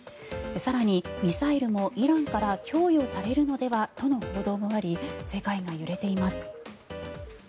更にミサイルもイランから供与されるのではとの報道もあり世界が揺れています。